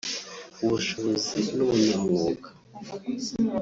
ubushobozi n’ubunyamwuga